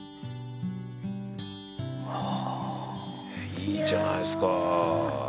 「いいじゃないですか」